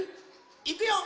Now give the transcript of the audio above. いくよ。